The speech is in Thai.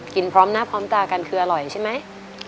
พร้อมหน้าพร้อมตากันคืออร่อยใช่ไหม